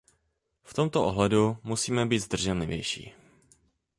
V tomto ohledu musíme být zdrženlivější.